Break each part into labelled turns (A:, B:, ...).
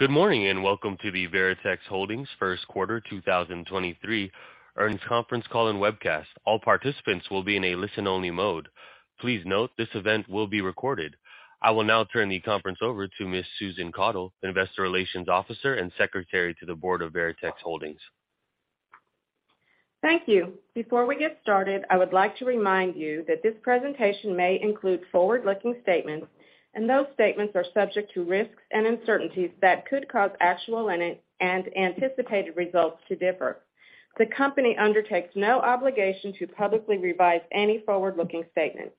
A: Good morning, welcome to the Veritex Holdings Q1 2023 earnings conference call and webcast. All participants will be in a listen-only mode. Please note this event will be recorded. I will now turn the conference over to Miss Susan Caudle, Investor Relations Officer and Secretary to the Board of Veritex Holdings.
B: Thank you. Before we get started, I would like to remind you that this presentation may include forward-looking statements. Those statements are subject to risks and uncertainties that could cause actual and anticipated results to differ. The company undertakes no obligation to publicly revise any forward-looking statements.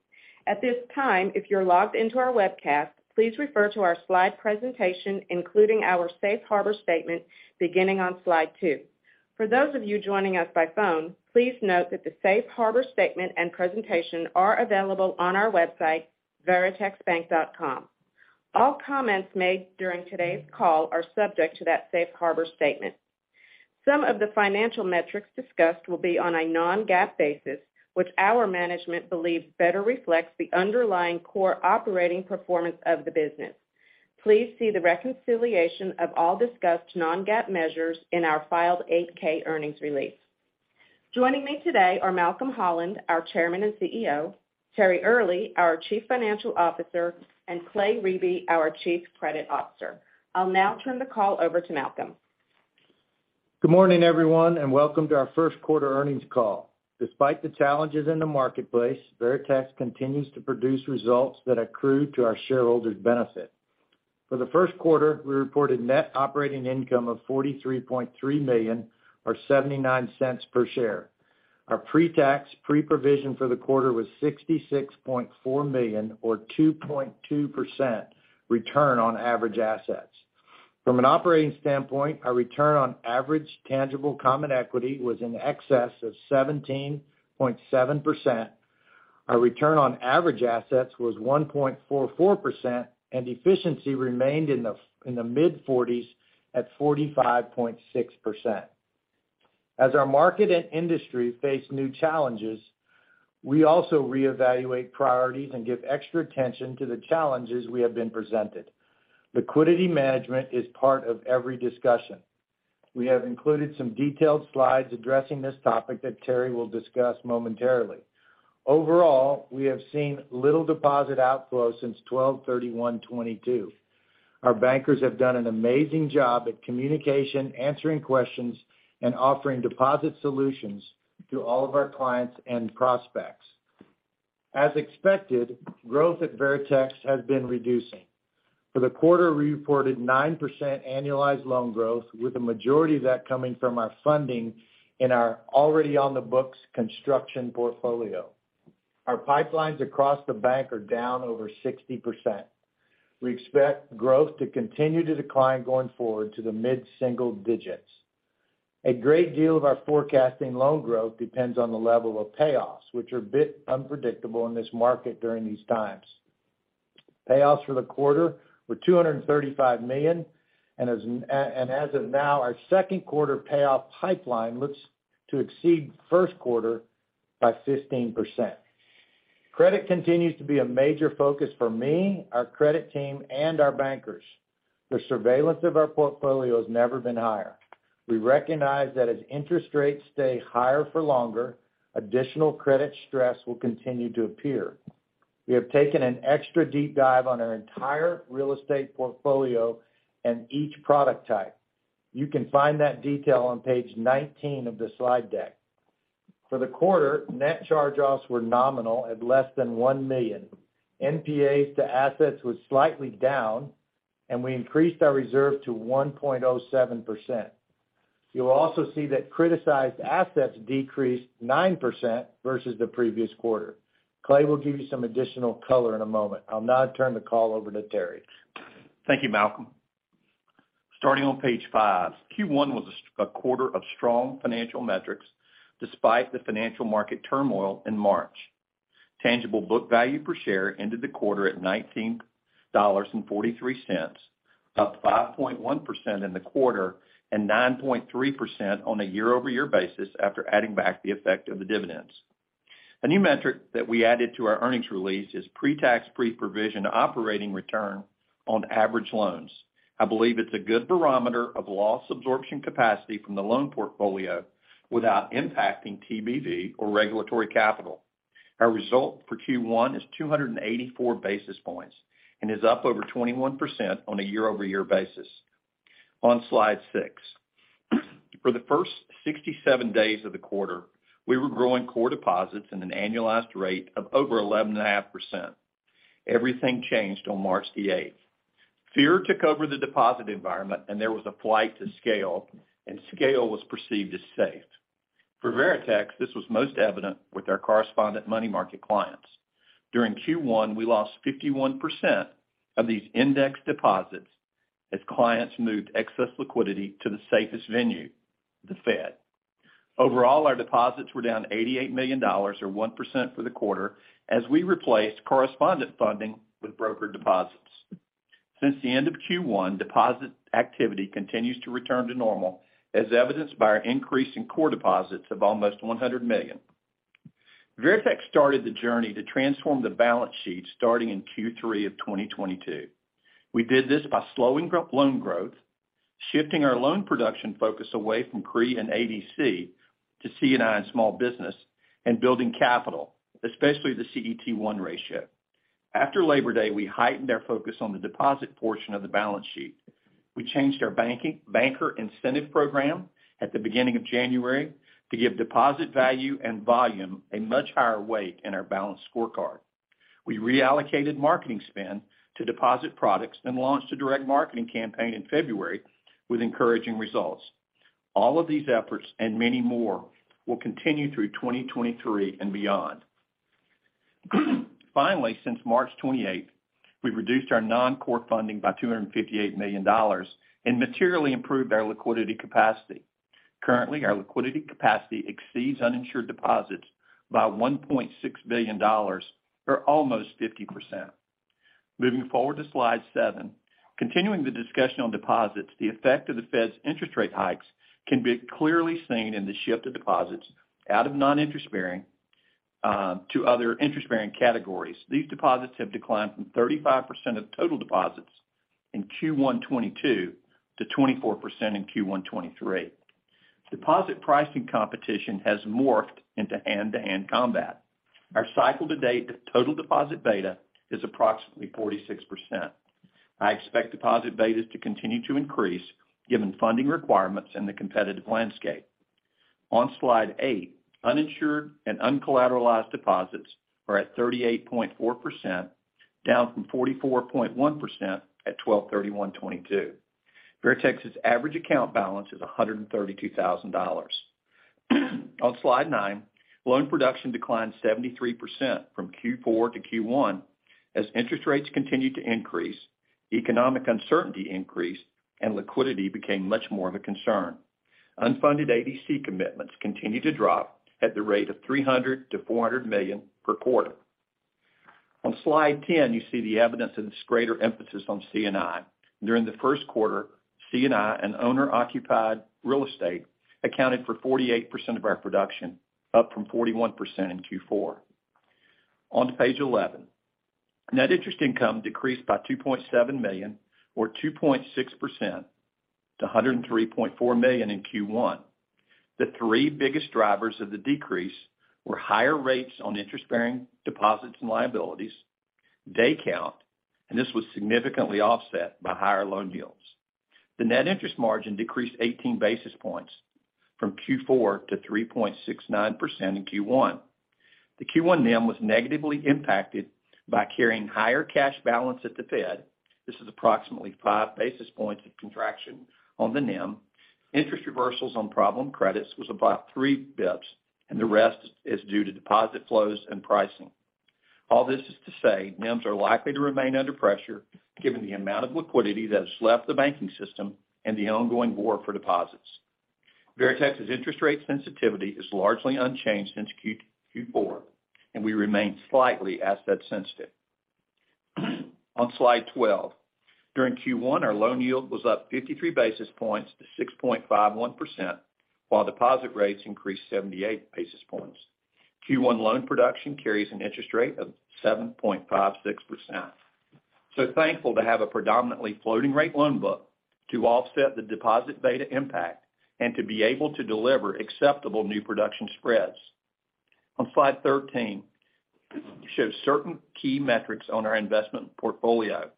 B: At this time, if you're logged into our webcast, please refer to our slide presentation, including our Safe Harbor statement, beginning on slide two. For those of you joining us by phone, please note that the Safe Harbor statement and presentation are available on our website, veritexbank.com. All comments made during today's call are subject to that Safe Harbor statement. Some of the financial metrics discussed will be on a non-GAAP basis, which our management believes better reflects the underlying core operating performance of the business. Please see the reconciliation of all discussed non-GAAP measures in our filed 8-K earnings release. Joining me today are Malcolm Holland, our Chairman and CEO, Terry Earley, our Chief Financial Officer, and Clay Riebe, our Chief Credit Officer. I'll now turn the call over to Malcolm.
C: Good morning, everyone, and welcome to our Q1 earnings call. Despite the challenges in the marketplace, Veritex continues to produce results that accrue to our shareholders' benefit. For the, we reported net operating income of $43.3 million or $0.79 per share. Our pre-tax, pre-provision for the quarter was $66.4 million or 2.2% return on average assets. From an operating standpoint, our return on average tangible common equity was in excess of 17.7%, our return on average assets was 1.44%, and efficiency remained in the mid-forties at 45.6%. As our market and industry face new challenges, we also reevaluate priorities and give extra attention to the challenges we have been presented. Liquidity management is part of every discussion. We have included some detailed slides addressing this topic that Terry will discuss momentarily. Overall, we have seen little deposit outflows since 31 December 2022. Our bankers have done an amazing job at communication, answering questions, and offering deposit solutions to all of our clients and prospects. As expected, growth at Veritex has been reducing. For the quarter, we reported 9% annualized loan growth, with the majority of that coming from our funding in our already on the books construction portfolio. Our pipelines across the bank are down over 60%. We expect growth to continue to decline going forward to the mid-single digits. A great deal of our forecasting loan growth depends on the level of payoffs, which are a bit unpredictable in this market during these times. Payoffs for the quarter were $235 million, and as of now, our Q2 payoff pipeline looks to exceed by 15%. Credit continues to be a major focus for me, our credit team, and our bankers. The surveillance of our portfolio has never been higher. We recognize that as interest rates stay higher for longer, additional credit stress will continue to appear. We have taken an extra deep dive on our entire real estate portfolio and each product type. You can find that detail on page 19 of the slide deck. For the quarter, net charge-offs were nominal at less than $1 million. NPAs to assets was slightly down, and we increased our reserve to 1.07%. You will also see that criticized assets decreased 9% versus the previous quarter. Clay will give you some additional color in a moment. I'll now turn the call over to Terry.
D: Thank you, Malcolm. Starting on page 5. Q1 was a quarter of strong financial metrics despite the financial market turmoil in March. Tangible book value per share ended the quarter at $19.43, up 5.1% in the quarter and 9.3% on a year-over-year basis after adding back the effect of the dividends. A new metric that we added to our earnings release is pre-tax, pre-provision operating return on average loans. I believe it's a good barometer of loss absorption capacity from the loan portfolio without impacting TBV or regulatory capital. Our result for Q1 is 284 basis points and is up over 21% on a year-over-year basis. On slide six, for the first 67 days of the quarter, we were growing core deposits in an annualized rate of over 11.5%. Everything changed on March 8th. Fear took over the deposit environment, there was a flight to scale was perceived as safe. For Veritex, this was most evident with our correspondent money market clients. During Q1, we lost 51% of these index deposits as clients moved excess liquidity to the safest venue, the Fed. Overall, our deposits were down $88 million or 1% for the quarter as we replaced correspondent funding with broker deposits. Since the end of Q1, deposit activity continues to return to normal, as evidenced by our increase in core deposits of almost $100 million. Veritex started the journey to transform the balance sheet starting in Q3 of 2022. We did this by slowing loan growth, shifting our loan production focus away from CRE and ADC to C&I and small business, and building capital, especially the CET1 ratio. After Labor Day, we heightened our focus on the deposit portion of the balance sheet. We changed our banker incentive program at the beginning of January to give deposit value and volume a much higher weight in our balanced scorecard. We reallocated marketing spend to deposit products, then launched a direct marketing campaign in February with encouraging results. All of these efforts, and many more, will continue through 2023 and beyond. Finally, since March 28, we've reduced our non-core funding by $258 million and materially improved our liquidity capacity. Currently, our liquidity capacity exceeds uninsured deposits by $1.6 billion, or almost 50%. Moving forward to slide seven, continuing the discussion on deposits, the effect of the Fed's interest rate hikes can be clearly seen in the shift of deposits out of non-interest bearing to other interest-bearing categories. These deposits have declined from 35% of total deposits in Q1 2022 to 24% in Q1 2023. Deposit pricing competition has morphed into hand-to-hand combat. Our cycle to date to total deposit beta is approximately 46%. I expect deposit betas to continue to increase given funding requirements in the competitive landscape. On slide 8, uninsured and uncollateralized deposits are at 38.4%, down from 44.1% at 12/31/2022. Veritex's average account balance is $132,000. On slide nine, loan production declined 73% from Q4 to Q1 as interest rates continued to increase, economic uncertainty increased, and liquidity became much more of a concern. Unfunded ADC commitments continued to drop at the rate of $300 million-$400 million per quarter. On slide 10, you see the evidence of this greater emphasis on C&I. During the, C&I and owner-occupied real estate accounted for 48% of our production, up from 41% in Q4. On to page 11, net interest income decreased by $2.7 million or 2.6% to $103.4 million in Q1. The three biggest drivers of the decrease were higher rates on interest-bearing deposits and liabilities, day count, and this was significantly offset by higher loan yields. The net interest margin decreased 18 basis points from Q4 to 3.69% in Q1. The Q1 NIM was negatively impacted by carrying higher cash balance at the Fed. This is approximately five basis points of contraction on the NIM. Interest reversals on problem credits was about three basis points, and the rest is due to deposit flows and pricing. All this is to say NIMs are likely to remain under pressure given the amount of liquidity that has left the banking system and the ongoing war for deposits. Veritex's interest rate sensitivity is largely unchanged since Q4, and we remain slightly asset sensitive. On slide 12, during Q1, our loan yield was up 53 basis points to 6.51%, while deposit rates increased 78 basis points. Q1 loan production carries an interest rate of 7.56%. Thankful to have a predominantly floating rate loan book to offset the deposit beta impact and to be able to deliver acceptable new production spreads. On slide 13, shows certain key metrics on our investment portfolio.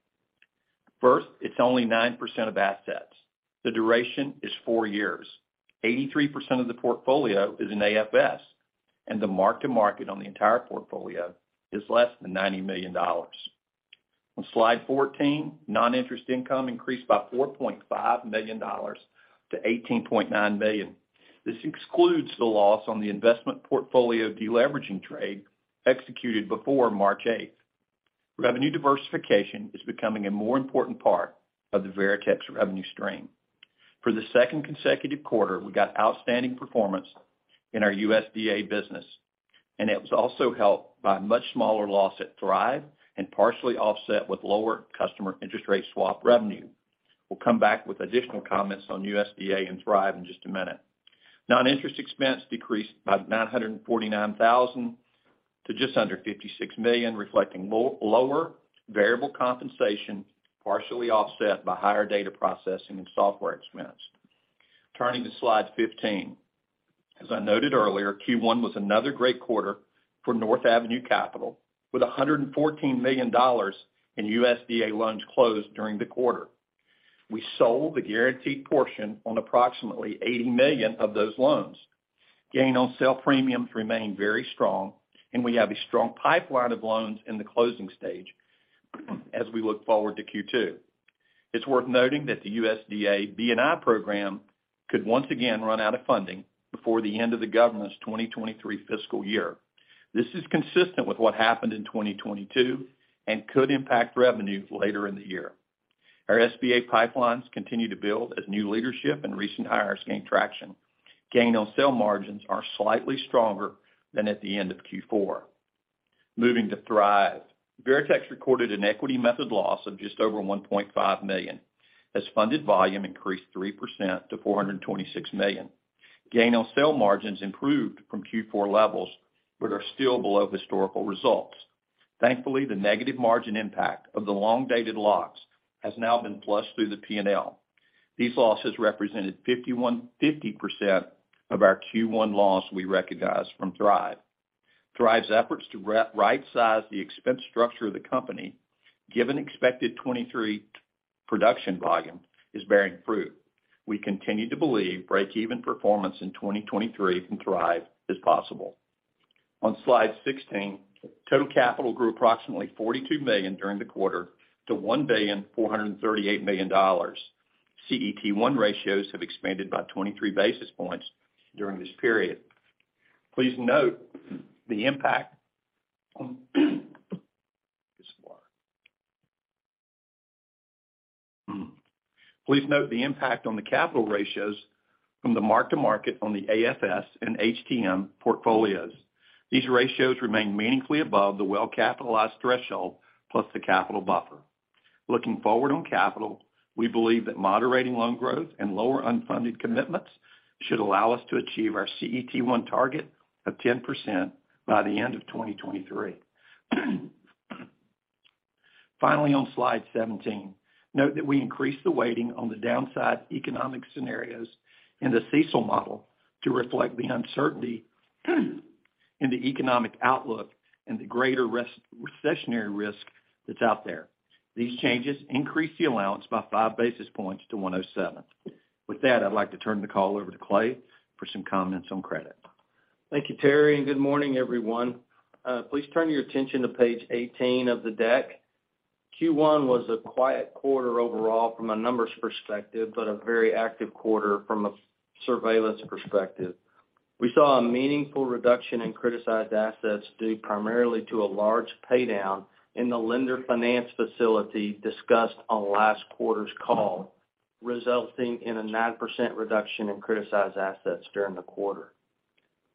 D: First, it's only 9% of assets. The duration is four years. 83% of the portfolio is in AFS, and the mark-to-market on the entire portfolio is less than $90 million. On slide 14, non-interest income increased by $4.5 million to $18.9 million. This excludes the loss on the investment portfolio deleveraging trade executed before March eighth. Revenue diversification is becoming a more important part of the Veritex revenue stream. For the second consecutive quarter, we got outstanding performance in our USDA business, and it was also helped by a much smaller loss at Thrive and partially offset with lower customer interest rate swap revenue. We'll come back with additional comments on USDA and Thrive in just a minute. Non-interest expense decreased by $949,000 to just under $56 million, reflecting lower variable compensation, partially offset by higher data processing and software expense. Turning to slide 15. As I noted earlier, Q1 was another great quarter for North Avenue Capital, with $114 million in USDA loans closed during the quarter. We sold the guaranteed portion on approximately $80 million of those loans. Gain on sale premiums remained very strong. We have a strong pipeline of loans in the closing stage as we look forward to Q2. It's worth noting that the USDA B&I program could once again run out of funding before the end of the government's 2023 fiscal year. This is consistent with what happened in 2022 and could impact revenue later in the year. Our SBA pipelines continue to build as new leadership and recent hires gain traction. Gain on sale margins are slightly stronger than at the end of Q4. Moving to Thrive. Veritex recorded an equity method loss of just over $1.5 million, as funded volume increased 3% to $426 million. Gain on sale margins improved from Q4 levels, are still below historical results. Thankfully, the negative margin impact of the long-dated locks has now been flushed through the P&L. These losses represented 50% of our Q1 loss we recognized from Thrive. Thrive's efforts to re-rightsize the expense structure of the company, given expected 2023 production volume, is bearing fruit. We continue to believe breakeven performance in 2023 from Thrive is possible. On slide 16, total capital grew approximately $42 million during the quarter to $1.438 billion. CET1 ratios have expanded by 23 basis points during this period. Please note the impact. This slide. Please note the impact on the capital ratios from the mark-to-market on the AFS and HTM portfolios. These ratios remain meaningfully above the well-capitalized threshold, plus the capital buffer. Looking forward on capital, we believe that moderating loan growth and lower unfunded commitments should allow us to achieve our CET1 target of 10% by the end of 2023. Finally, on slide 17, note that we increased the weighting on the downside economic scenarios in the CECL model to reflect the uncertainty in the economic outlook and the greater recessionary risk that's out there. These changes increase the allowance by five basis points to 107. With that, I'd like to turn the call over to Clay for some comments on credit.
E: Thank you, Terry, and good morning, everyone. Please turn your attention to page 18 of the deck. Q1 was a quiet quarter overall from a numbers perspective, but a very active quarter from a surveillance perspective. We saw a meaningful reduction in criticized assets due primarily to a large paydown in the lender finance facility discussed on last quarter's call, resulting in a 9% reduction in criticized assets during the quarter.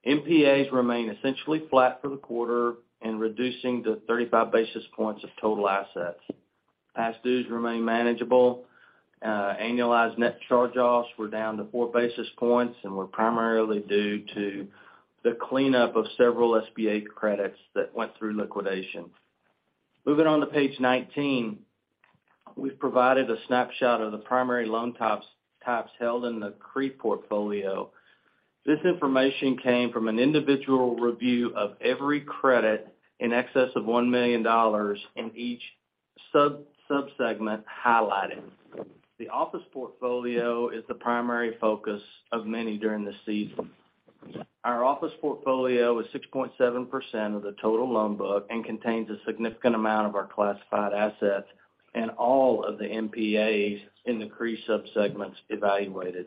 E: NPAs remain essentially flat for the quarter and reducing to 35 basis points of total assets. Past dues remain manageable. Annualized net charge-offs were down to four basis points and were primarily due to the cleanup of several SBA credits that went through liquidation. Moving on to page 19, we've provided a snapshot of the primary loan types held in the CRE portfolio. This information came from an individual review of every credit in excess of $1 million in each sub-subsegment highlighted. The office portfolio is the primary focus of many during this season. Our office portfolio is 6.7% of the total loan book and contains a significant amount of our classified assets and all of the NPAs in the CRE subsegments evaluated.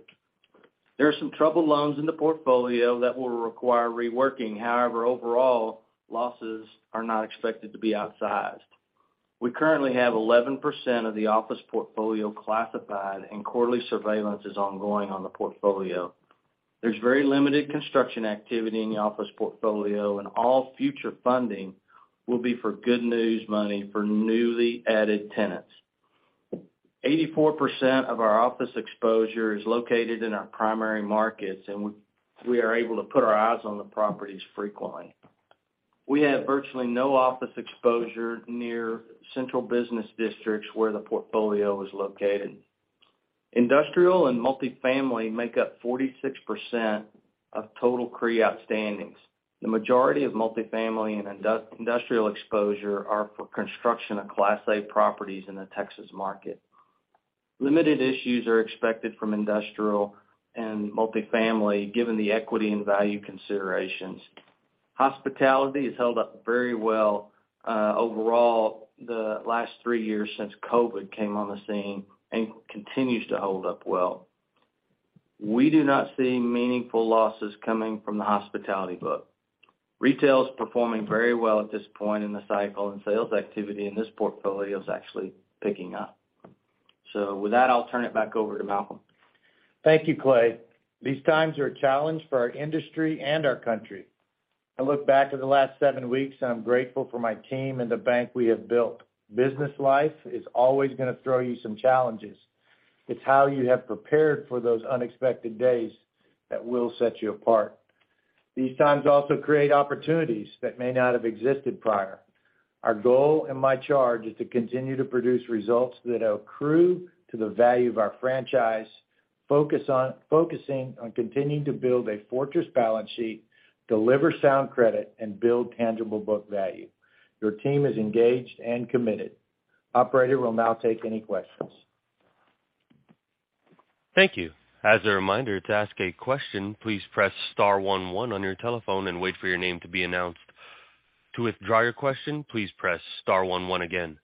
E: There are some troubled loans in the portfolio that will require reworking. However, overall, losses are not expected to be outsized. We currently have 11% of the office portfolio classified, and quarterly surveillance is ongoing on the portfolio. There's very limited construction activity in the office portfolio, and all future funding will be for good news money for newly added tenants. 84% of our office exposure is located in our primary markets, and we are able to put our eyes on the properties frequently. We have virtually no office exposure near central business districts where the portfolio is located. Industrial and multifamily make up 46% of total CRE outstandings. The majority of multifamily and industrial exposure are for construction of Class A properties in the Texas market. Limited issues are expected from industrial and multifamily, given the equity and value considerations. Hospitality has held up very well, overall the last three years since COVID came on the scene and continues to hold up well. We do not see meaningful losses coming from the hospitality book. Retail is performing very well at this point in the cycle, and sales activity in this portfolio is actually picking up. With that, I'll turn it back over to Malcolm.
C: Thank you, Clay. These times are a challenge for our industry and our country. I look back at the last seven weeks, and I'm grateful for my team and the bank we have built. Business life is always going to throw you some challenges. It's how you have prepared for those unexpected days that will set you apart. These times also create opportunities that may not have existed prior. Our goal and my charge is to continue to produce results that accrue to the value of our franchise, focusing on continuing to build a fortress balance sheet, deliver sound credit, and build tangible book value. Your team is engaged and committed. Operator, we'll now take any questions.
A: Thank you. As a reminder to ask a question, please press star one one on your telephone and wait for your name to be announced. To withdraw your question, please press star one one again.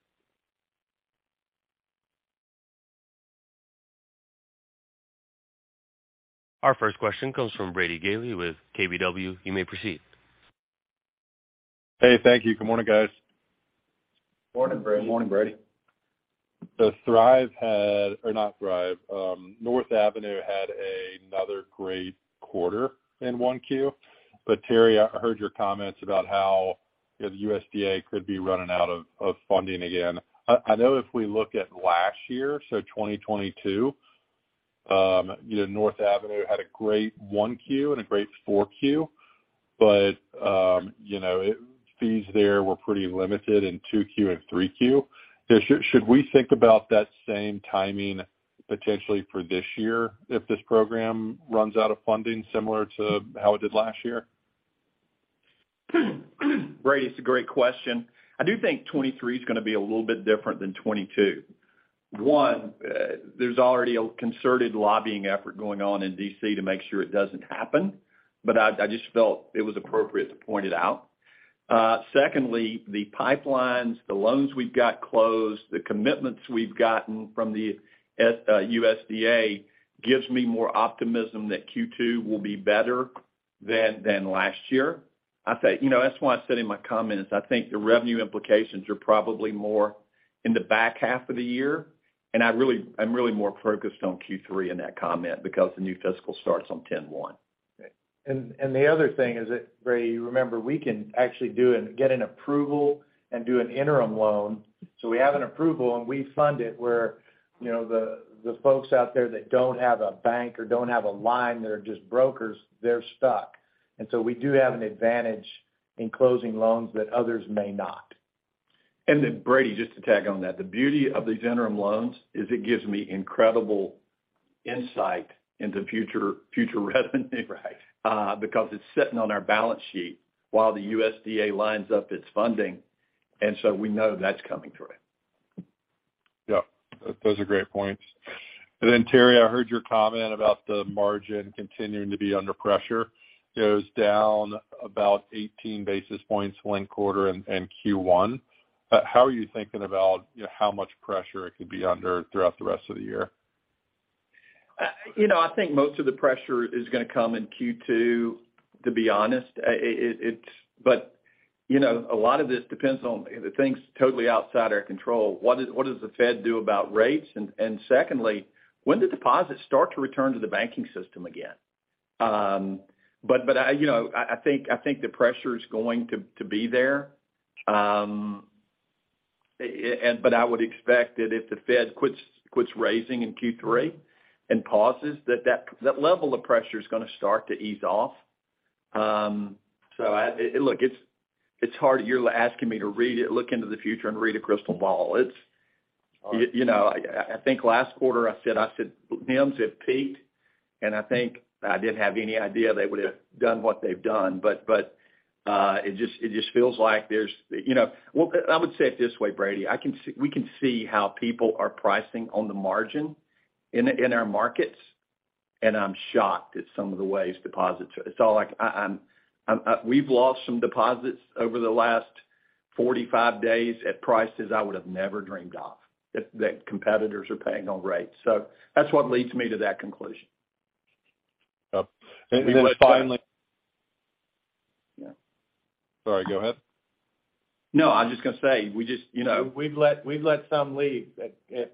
A: Our first question comes from Brady Gailey with KBW. You may proceed.
F: Hey, thank you. Good morning, guys.
D: Morning, Brady.
C: Morning, Brady.
F: Thrive had, or not Thrive, North Avenue had another great quarter in Q1. Terry, I heard your comments about how the USDA could be running out of funding again. I know if we look at last year, so 2022, you know, North Avenue had a great Q1 and a great Q4. You know, fees there were pretty limited in Q2 and Q3. Should we think about that same timing potentially for this year if this program runs out of funding similar to how it did last year?
D: Brady, it's a great question. I do think 2023 is going to be a little bit different than 2022. One, there's already a concerted lobbying effort going on in D.C. to make sure it doesn't happen, but I just felt it was appropriate to point it out. Secondly, the pipelines, the loans we've got closed, the commitments we've gotten from the USDA gives me more optimism that Q2 will be better than last year. I say, you know, that's why I said in my comments, I think the revenue implications are probably more in the back half of the year. I'm really more focused on Q3 in that comment because the new fiscal starts on 1 October.
C: The other thing is that, Brady, remember, we can actually do and get an approval and do an interim loan. We have an approval, and we fund it where, you know, the folks out there that don't have a bank or don't have a line, they're just brokers, they're stuck. We do have an advantage in closing loans that others may not.
D: Then Brady, just to tag on that, the beauty of these interim loans is it gives me incredible insight into future revenue because it's sitting on our balance sheet while the USDA lines up its funding, we know that's coming through.
F: Yeah, those are great points. Terry, I heard your comment about the margin continuing to be under pressure. It was down about 18 basis points linked quarter and Q1. How are you thinking about, you know, how much pressure it could be under throughout the rest of the year?
D: You know, I think most of the pressure is going to come in Q2, to be honest. You know, a lot of this depends on the things totally outside our control. What does the Fed do about rates? Secondly, when do deposits start to return to the banking system again? You know, I think the pressure is going to be there. I would expect that if the Fed quits raising in Q3 and pauses, that level of pressure is going to start to ease off. Look, it's hard. You're asking me to read it, look into the future, and read a crystal ball. It's, you know, I think last quarter I said NIMs have peaked, and I think I didn't have any idea they would have done what they've done. It just feels like there's. You know, I would say it this way, Brady. We can see how people are pricing on the margin in our markets, and I'm shocked at some of the ways deposits are. We've lost some deposits over the last 45 days at prices I would have never dreamed of that competitors are paying on rates. That's what leads me to that conclusion.
F: And then finally.
D: Yeah.
F: Sorry, go ahead.
D: No, I'm just going to say, we just, you know.
C: We've let some leave at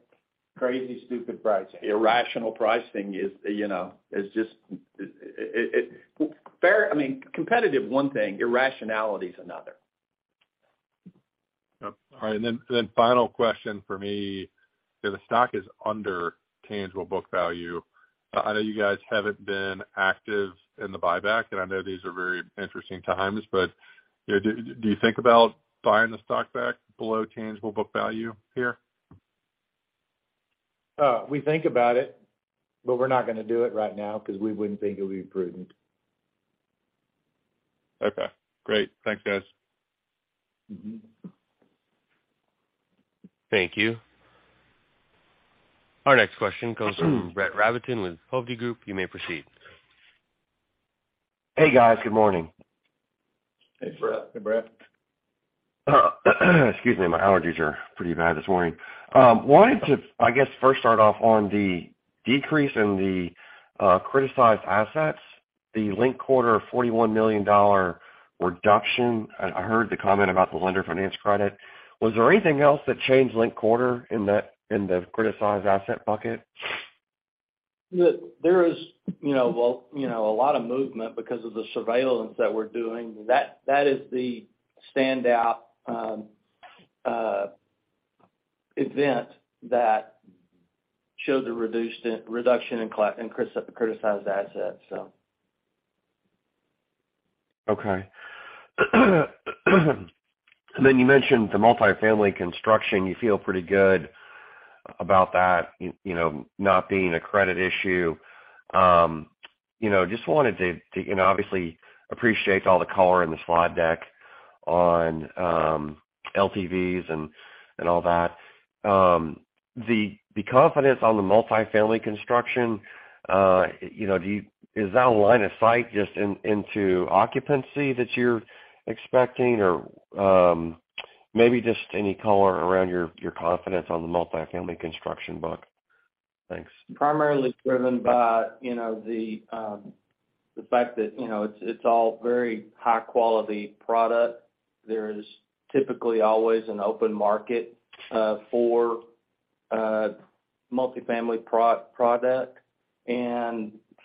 C: crazy, stupid pricing.
D: Irrational pricing is, you know, Fair, I mean, competitive one thing, irrationality is another.
F: All right. Final question for me, the stock is under tangible book value. I know you guys haven't been active in the buyback, and I know these are very interesting times. But, you know, do you think about buying the stock back below tangible book value here?
C: We think about it, but we're not going to do it right now because we wouldn't think it would be prudent.
F: Okay, great. Thanks, guys.
A: Thank you. Our next question comes from Brett Rabatin with Hovde Group. You may proceed.
G: Hey, guys. Good morning.
C: Hey, Brett.
D: Hey, Brett.
G: Excuse me. My allergies are pretty bad this morning. wanted to, I guess, first start off on the decrease in the criticized assets, the linked quarter $41 million reduction. I heard the comment about the lender finance credit. Was there anything else that changed linked quarter in the criticized asset bucket?
C: There is, you know, well, you know, a lot of movement because of the surveillance that we're doing. That is the standout event that shows a reduction in criticized assets, so.
G: Okay. You mentioned the multi-family construction. You feel pretty good about that, you know, not being a credit issue. You know, just wanted to, you know, obviously appreciate all the color in the slide deck on LTVs and all that. The confidence on the multi-family construction, you know, is that a line of sight just into occupancy that you're expecting? Maybe just any color around your confidence on the multi-family construction book.
D: Thanks. Primarily driven by, you know, the fact that, you know, it's all very high-quality product. There is typically always an open market for multifamily product.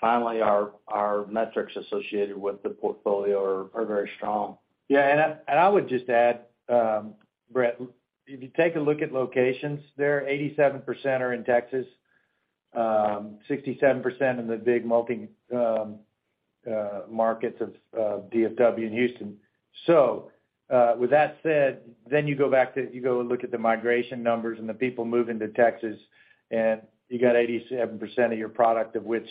D: Finally, our metrics associated with the portfolio are very strong. Yeah, and I would just add, Brett, if you take a look at locations, 87% are in Texas, 67% in the big multi markets of DFW and Houston. With that said, you go and look at the migration numbers and the people moving to Texas, and you got 87% of your product, of which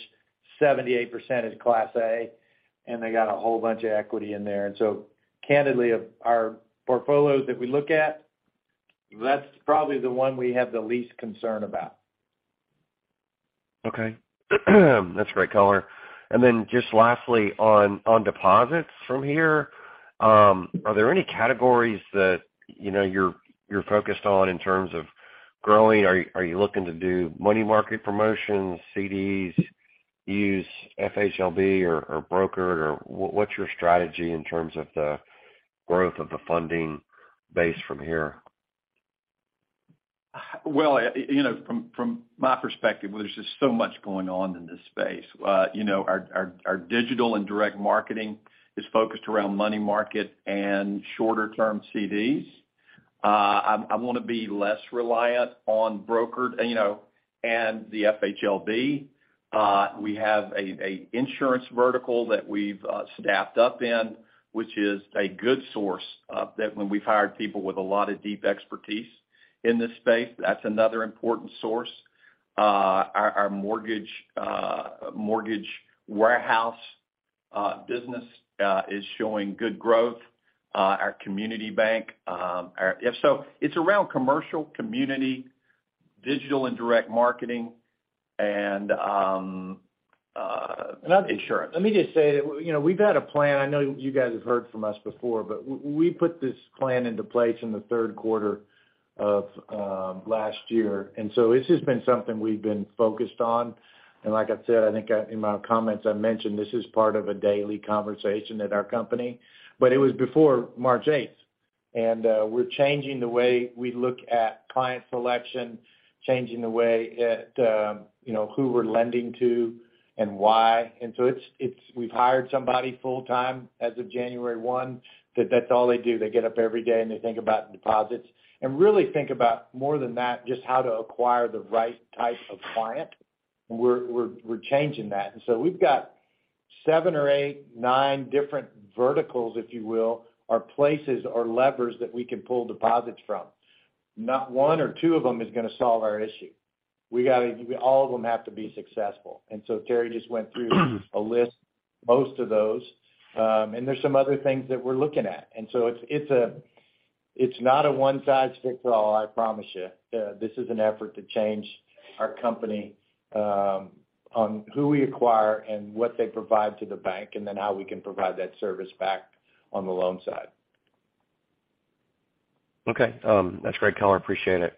D: 78% is Class A, and they got a whole bunch of equity in there. Candidly, of our portfolios that we look at, that's probably the one we have the least concern about.
G: Okay. That's great color. Just lastly on deposits from here, are there any categories that, you know, you're focused on in terms of growing? Are you looking to do money market promotions, CDs, use FHLB or brokered? What's your strategy in terms of the growth of the funding base from here?
D: You know, from my perspective, there's just so much going on in this space. You know, our digital and direct marketing is focused around money market and shorter term CDs. I want to be less reliant on brokered, you know, and the FHLB. We have a insurance vertical that we've staffed up in, which is a good source of that, when we've hired people with a lot of deep expertise in this space. That's another important source. Our mortgage warehouse business is showing good growth. It's around commercial, community, digital and direct marketing and insurance. Let me just say, you know, we've had a plan. I know you guys have heard from us before, we put this plan into place in the third quarter of last year, it's just been something we've been focused on. Like I said, I think in my comments, I mentioned this is part of a daily conversation at our company, but it was before March eighth. We're changing the way we look at client selection, changing the way at, you know, who we're lending to and why. We've hired somebody full-time as of January 1, that that's all they do. They get up every day, and they think about deposits. Really think about more than that, just how to acquire the right type of client. We're changing that. We've got seven or eight, nine different verticals, if you will, or places or levers that we can pull deposits from. Not one or two of them is going to solve our issue. All of them have to be successful. Terry just went through a list, most of those, and there's some other things that we're looking at. It's not a one-size-fits-all, I promise you. This is an effort to change our company on who we acquire and what they provide to the bank, and then how we can provide that service back on the loan side.
G: Okay, that's great color. Appreciate it.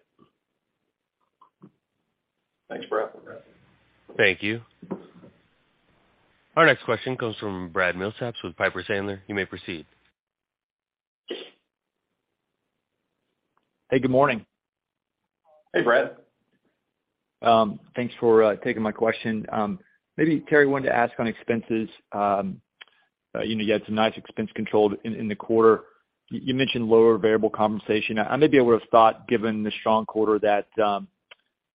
A: Thank you. Our next question comes from Brad Milsaps with Piper Sandler. You may proceed.
H: Hey, good morning.
D: Hey, Brad.
H: Thanks for taking my question. Maybe, Terry Earley, wanted to ask on expenses. You know, you had some nice expense control in the quarter. You mentioned lower variable compensation. I maybe would've thought, given the strong quarter that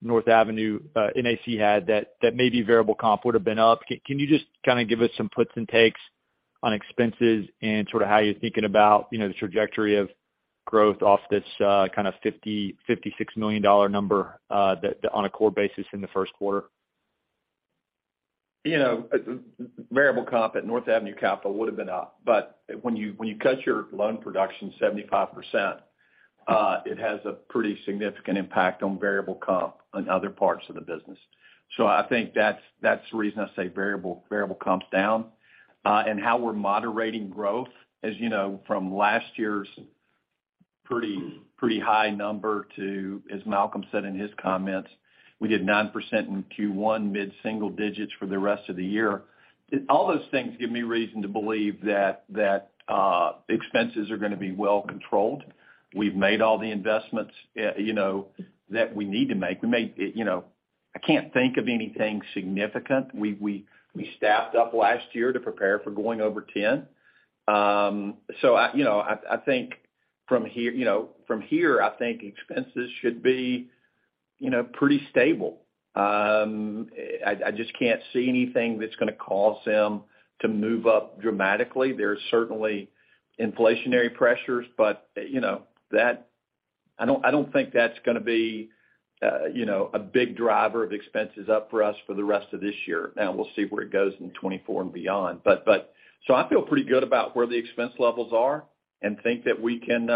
H: North Avenue Capital, NAC had, that maybe variable comp would've been up. Can you just kind of give us some puts and takes on expenses and sort of how you're thinking about, you know, the trajectory of growth off this kind of $50 million-$56 million number on a core basis in the?
D: You know, variable comp at North Avenue Capital would've been up. When you cut your loan production 75%, it has a pretty significant impact on variable comp on other parts of the business. I think that's the reason I say variable comp's down. How we're moderating growth, as you know, from last year's pretty high number to, as Malcolm said in his comments, we did 9% in Q1, mid-single digits for the rest of the year. All those things give me reason to believe that expenses are going to be well controlled. We've made all the investments, you know, that we need to make. We made, you know. I can't think of anything significant. We staffed up last year to prepare for going over 10. I, you know, I think from here, you know, from here, I think expenses should be, you know, pretty stable. I just can't see anything that's going to cause them to move up dramatically. There's certainly inflationary pressures, but, you know, I don't think that's going to be, you know, a big driver of expenses up for us for the rest of this year. Now, we'll see where it goes in 2024 and beyond. I feel pretty good about where the expense levels are and think that we can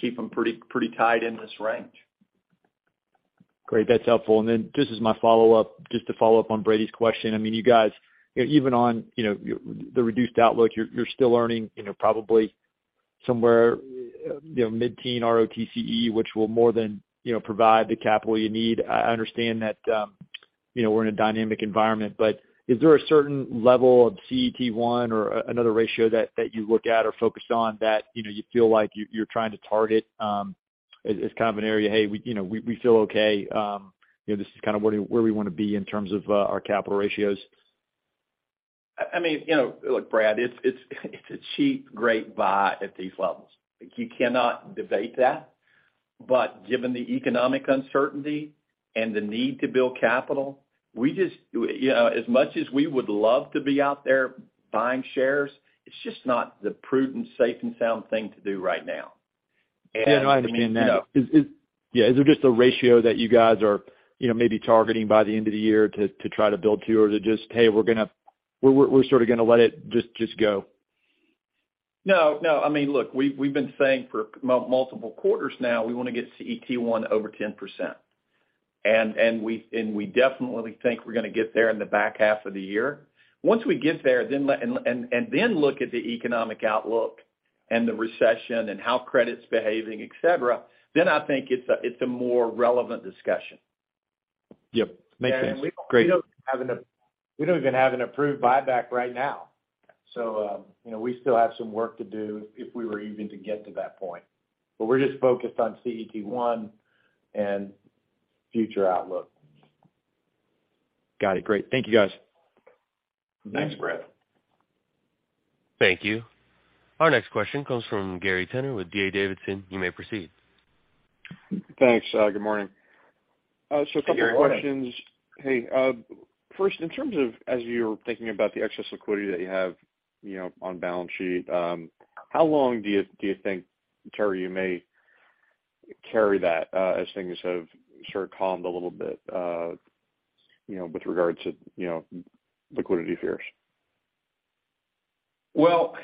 D: keep them pretty tight in this range.
H: Great. That's helpful. Just as my follow-up, just to follow up on Brady's question. I mean, you guys, even on, you know, the reduced outlook, you're still earning, you know, probably somewhere, you know, mid-teen ROTCE, which will more than, you know, provide the capital you need. I understand that, you know, we're in a dynamic environment. Is there a certain level of CET1 or another ratio that you look at or focus on that, you know, you feel like you're trying to target, as kind of an area, hey, we, you know, we feel okay, this is kind of where we want to be in terms of our capital ratios?
D: I mean, you know, look, Brad, it's, it's a cheap, great buy at these levels. You cannot debate that. Given the economic uncertainty and the need to build capital, we just, you know, as much as we would love to be out there buying shares, it's just not the prudent, safe, and sound thing to do right now.
H: Yeah. No, I understand that. Yeah, is there just a ratio that you guys are, you know, maybe targeting by the end of the year to try to build to? Just, hey, we're sort of going to let it just go?
D: No. I mean, look, we've been saying for multiple quarters now, we want to get CET1 over 10%. We definitely think we're going to get there in the back half of the year. Once we get there, then look at the economic outlook and the recession and how credit's behaving, et cetera, then I think it's a more relevant discussion.
H: Yep. Makes sense. Great.
D: We don't even have an approved buyback right now. You know, we still have some work to do if we were even to get to that point. We're just focused on CET1 and future outlook.
H: Got it. Great. Thank you, guys.
D: Thanks, Brad.
A: Thank you. Our next question comes from Gary Tenner with D.A. Davidson. You may proceed.
I: Thanks. Good morning. A couple questions.
D: Good morning.
I: Hey. First, in terms of as you're thinking about the excess liquidity that you have, you know, on balance sheet, how long do you think, Terry, you may carry that, as things have sort of calmed a little bit, you know, with regards to, you know, liquidity fears?
D: Well,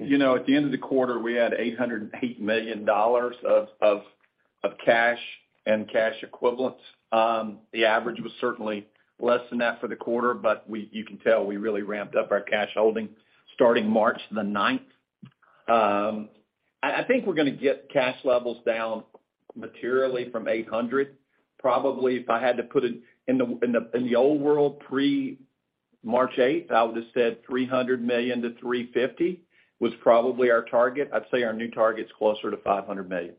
D: you know, at the end of the quarter, we had $808 million of cash and cash equivalents. The average was certainly less than that for the quarter, but you can tell we really ramped up our cash holding starting March 9th. I think we're going to get cash levels down materially from $800 million. Probably, if I had to put it in the old world pre-March 8th, I would've said $300 million-$350 million was probably our target. I'd say our new target's closer to $500 million.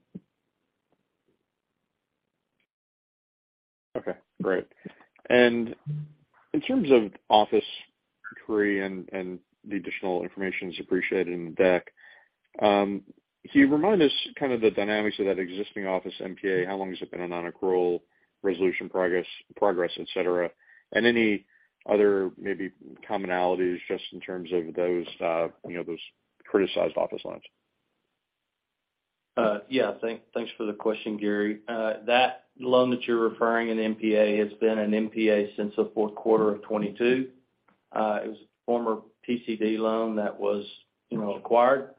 I: Okay. Great. In terms of Office Tree and the additional information is appreciated in the deck, can you remind us kind of the dynamics of that existing office NPA? How long has it been a non-accrual resolution progress, et cetera? Any other maybe commonalities just in terms of those, you know, those criticized office loans?
E: Yeah. Thanks for the question, Gary. That loan that you're referring in NPA has been in NPA since the Q4 of 2022. It was a former PCD loan that was, you know, acquired.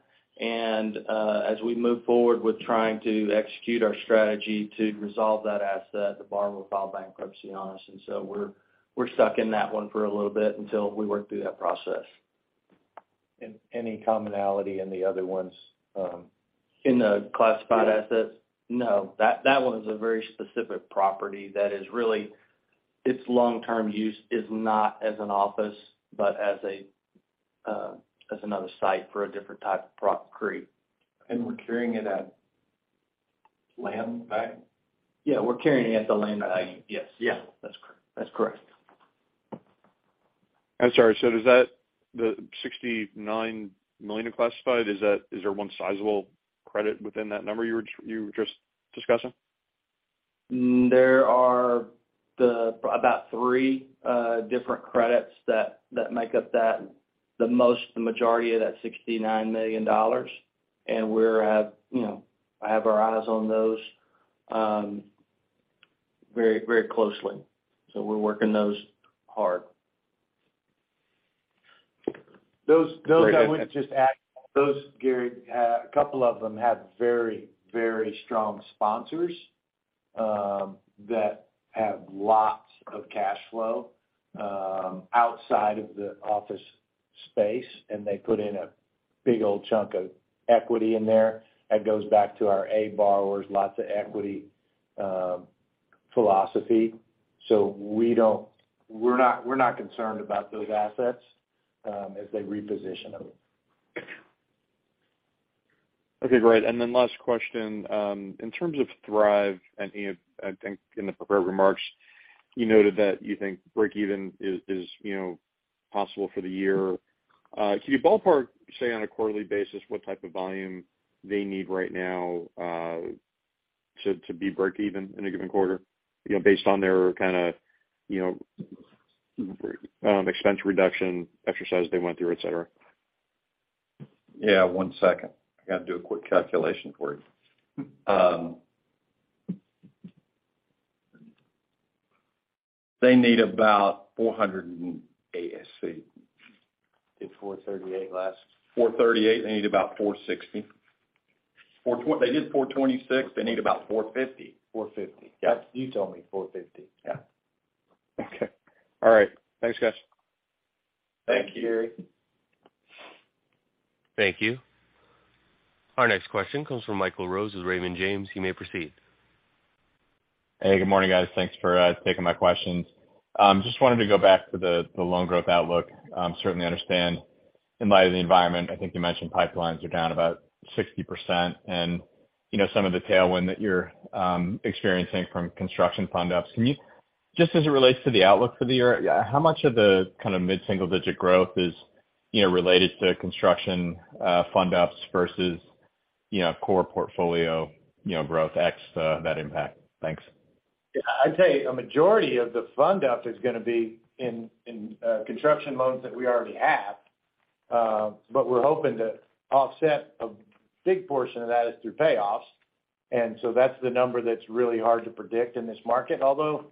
E: As we moved forward with trying to execute our strategy to resolve that asset, the borrower filed bankruptcy on us, we're stuck in that one for a little bit until we work through that process.
I: Any commonality in the other ones?
E: In the classified assets? No. That one is a very specific property that is really, its long-term use is not as an office, but as another site for a different type of property.
I: We're carrying it at land value?
E: Yeah, we're carrying it at the land value. Yes. Yeah. That's correct. That's correct.
I: I'm sorry. Does that, the $69 million in classified, is that, is there one sizable credit within that number you were just discussing?
E: There are about three different credits that make up the majority of that $69 million. We have, you know, have our eyes on those, very, very closely. We're working those hard.
I: Great.
D: I would just add, those, Gary, a couple of them have very, very strong sponsors that have lots of cash flow outside of the office space, and they put in a big old chunk of equity in there. That goes back to our A borrowers, lots of equity philosophy. We don't, we're not concerned about those assets as they reposition them.
I: Okay, great. Last question. In terms of Thrive, and, you know, I think in the prepared remarks, you noted that you think breakeven is, you know, possible for the year. Can you ballpark, say, on a quarterly basis what type of volume they need right now, to be breakeven in a given quarter, you know, based on their kind of, you know, expense reduction exercise they went through, et cetera?
D: Yeah, one second. I got to do a quick calculation for you. They need about four hundred and... ASC.
E: Did $4.38 last.
D: $4.38. They need about $4.60. They did $4.26. They need about $4.50.
E: $4.50.
D: Yeah.
E: That's, you told me $4.50.
D: Yeah. All right. Thanks, guys.
C: Thank you.
A: Thank you. Our next question comes from Michael Rose with Raymond James. You may proceed.
J: Hey, good morning, guys. Thanks for taking my questions. Just wanted to go back to the loan growth outlook. Certainly understand in light of the environment, I think you mentioned pipelines are down about 60%. You know, some of the tailwind that you're experiencing from construction fund ups. Just as it relates to the outlook for the year, how much of the kind of mid-single-digit growth is, you know, related to construction fund ups versus, you know, core portfolio, you know, growth ex that impact? Thanks.
C: Yeah. I'd say a majority of the fund up is going to be in construction loans that we already have, but we're hoping to offset a big portion of that is through payoffs. That's the number that's really hard to predict in this market. Although,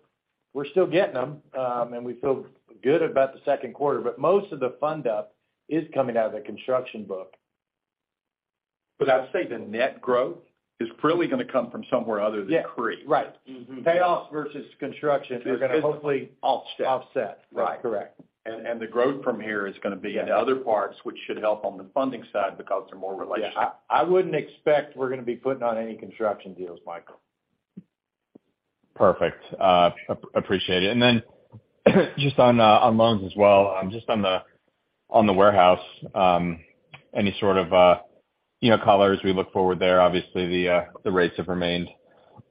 C: we're still getting them, and we feel good about the Q2, but most of the fund up is coming out of the construction book.
D: I'd say the net growth is probably going to come from somewhere other than CRE.
C: Yeah. Right. Payoffs versus construction are going to hopefully.
D: Is hopefully offset.
C: Offset.
D: Right.
C: Correct.
D: The growth from here is going to be in other parts, which should help on the funding side because they're more relational.
C: Yeah. I wouldn't expect we're going to be putting on any construction deals, Michael.
J: Perfect. Appreciate it. Then just on loans as well, just on the warehouse, any sort of, you know, colors we look forward there. Obviously the rates have remained,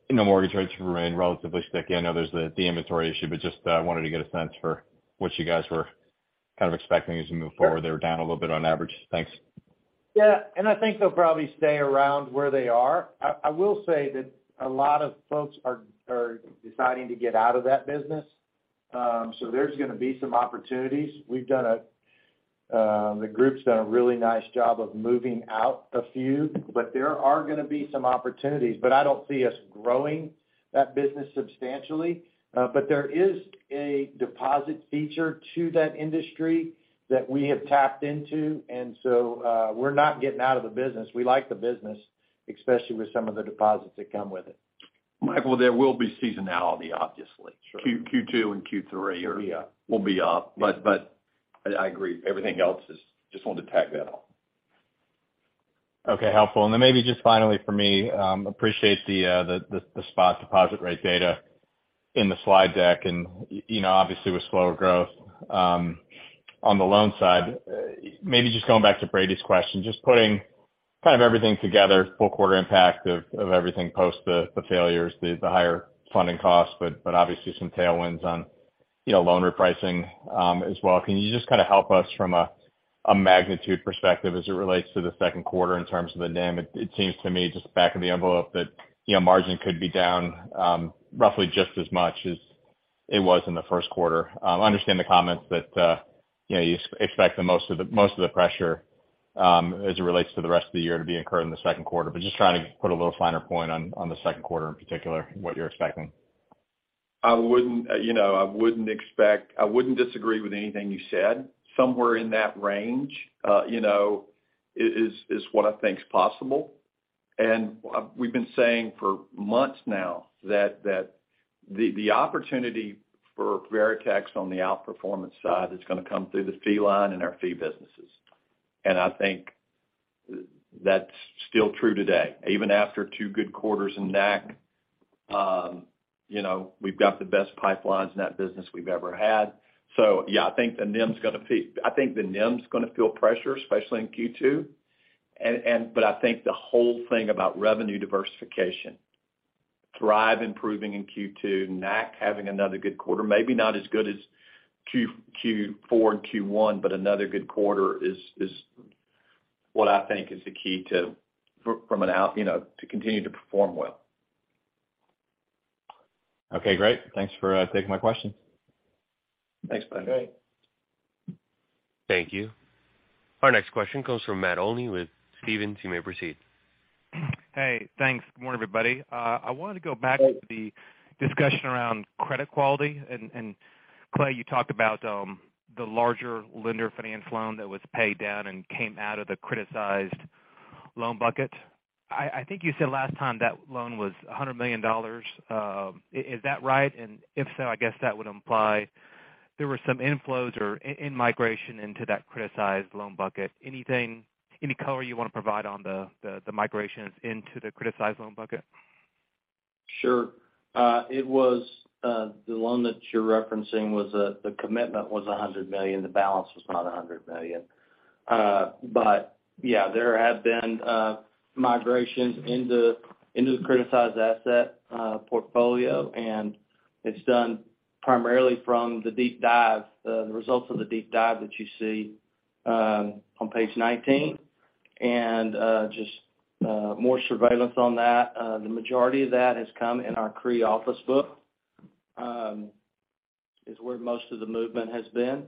J: you know, mortgage rates have remained relatively sticky. I know there's the inventory issue, just wanted to get a sense for what you guys were kind of expecting as we move forward. They were down a little bit on average. Thanks.
C: Yeah. I think they'll probably stay around where they are. I will say that a lot of folks are deciding to get out of that business. There's going to be some opportunities. The group's done a really nice job of moving out a few, but there are going to be some opportunities. I don't see us growing that business substantially. There is a deposit feature to that industry that we have tapped into. We're not getting out of the business. We like the business, especially with some of the deposits that come with it.
D: Michael, there will be seasonality, obviously. Q2 and Q3 are. Will be up. I agree, everything else is. Just wanted to tag that on.
J: Okay. Helpful. Then maybe just finally for me, appreciate the spot deposit rate data in the slide deck. You know, obviously with slower growth on the loan side, maybe just going back to Brady's question, just putting kind of everything together, full quarter impact of everything post the failures, the higher funding costs, obviously some tailwinds on, you know, loan repricing as well. Can you just kind of help us from a magnitude perspective as it relates to the Q2 in terms of the NIM? It seems to me just back of the envelope that, you know, margin could be down roughly just as much as it was in the. Understand the comments that, you know, you expect that most of the pressure as it relates to the rest of the year to be incurred in the Q2. Just trying to put a little finer point on the Q2 in particular, what you're expecting.
D: I wouldn't, you know, I wouldn't disagree with anything you said. Somewhere in that range, you know, is what I think is possible. We've been saying for months now that the opportunity for Veritex on the outperformance side is going to come through the fee line and our fee businesses. I think that's still true today. Even after two good quarters in NAC, you know, we've got the best pipelines in that business we've ever had. Yeah, I think the NIM's going to feel pressure, especially in Q2. I think the whole thing about revenue diversification, Thrive improving in Q2, NAC having another good quarter, maybe not as good as Q4 and Q1, but another good quarter is what I think is the key to, you know, to continue to perform well.
J: Okay, great. Thanks for taking my questions.
C: Thanks, Michael.
D: Great.
A: Thank you. Our next question comes from Matt Olney with Stephens. You may proceed.
K: Hey. Thanks. Good morning, everybody. I wanted to go back to the discussion around credit quality. Clay, you talked about the larger lender finance loan that was paid down and came out of the criticized loan bucket. I think you said last time that loan was $100 million. Is that right? If so, I guess that would imply there were some inflows or inmigration into that criticized loan bucket. Anything, any color you want to provide on the migrations into the criticized loan bucket?
C: Sure. It was the loan that you're referencing was the commitment was $100 million. The balance was not $100 million. Yeah, there have been migrations into the criticized asset portfolio, and it's done primarily from the deep dive, the results of the deep dive that you see on page 19. Just more surveillance on that. The majority of that has come in our CRE office book is where most of the movement has been.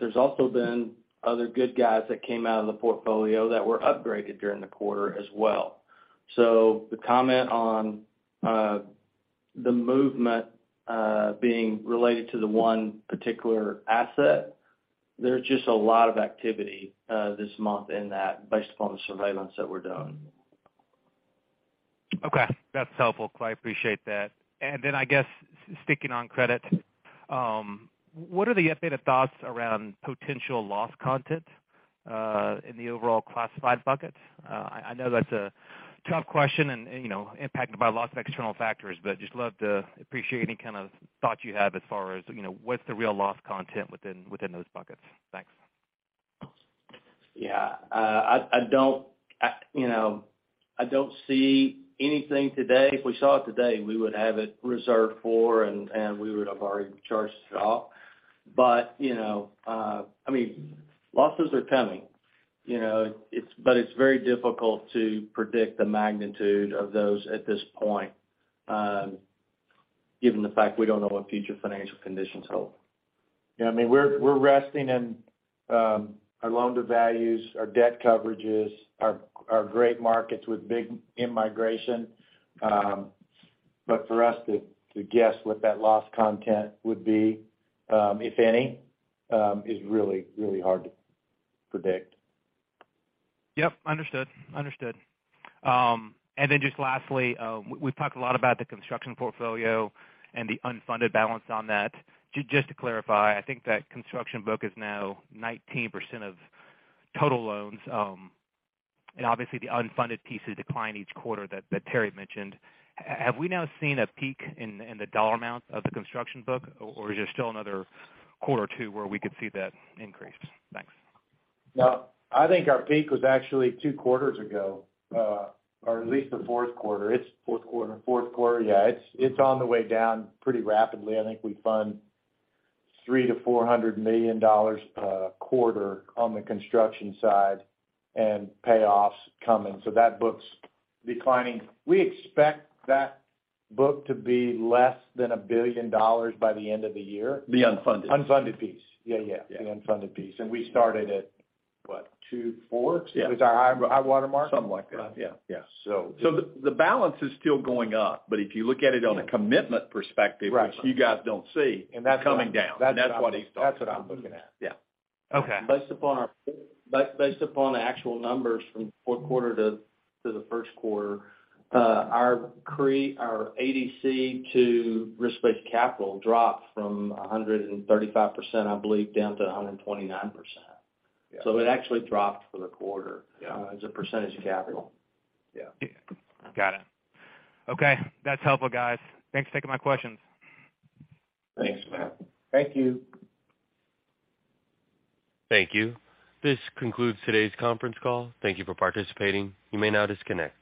C: There's also been other good guys that came out of the portfolio that were upgraded during the quarter as well. The comment on the movement being related to the one particular asset, there's just a lot of activity this month in that based upon the surveillance that we're doing.
K: Okay, that's helpful. I appreciate that. Then I guess sticking on credit, what are the updated thoughts around potential loss content in the overall classified buckets? I know that's a tough question and, you know, impacted by lots of external factors, but just love to appreciate any kind of thought you have as far as, you know, what's the real loss content within those buckets. Thanks.
E: Yeah. I don't, you know, I don't see anything today. If we saw it today, we would have it reserved for and we would have already charged it off. You know, I mean, losses are coming, you know? But it's very difficult to predict the magnitude of those at this point, given the fact we don't know what future financial conditions hold.
C: You know, I mean, we're resting in our loan to values, our debt coverages, our great markets with big in-migration. For us to guess what that loss content would be, if any, is really hard to predict.
K: Yep, understood. Understood. Just lastly, we've talked a lot about the construction portfolio and the unfunded balance on that. Just to clarify, I think that construction book is now 19% of total loans, and obviously, the unfunded piece is declining each quarter that Terry mentioned. Have we now seen a peak in the dollar amount of the construction book, or is there still another quarter or two where we could see that increase? Thanks.
C: No, I think our peak was actually two quarters ago, or at least the Q4.
E: It's Q4.
C: Q4, yeah. It's on the way down pretty rapidly. I think we fund $300 million-$400 million per quarter on the construction side and payoffs coming, so that book's declining. We expect that book to be less than $1 billion by the end of the year.
E: The unfunded.
C: Unfunded piece. Yeah, yeah.
E: Yeah.
C: The unfunded piece. We started at, what?
E: Yeah
C: Was our high water mark?
E: Something like that.
C: Yeah.
E: Yeah, so the balance is still going up, but if you look at it on a commitment perspective which you guys don't see coming down. That's what he's talking about.
C: That's what I'm looking at.
E: Yeah.
K: Okay.
E: Based upon the actual numbers from Q4 to the Q1, our ADC to risk-based capital dropped from 135%, I believe, down to 129%. It actually dropped for the quarter as a percentage of capital.
K: Got it. Okay. That's helpful, guys. Thanks for taking my questions.
C: Thanks, Matt.
E: Thank you.
A: Thank you. This concludes today's conference all. Thank you for participating. You may now disconnect.